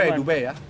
ke dubai ya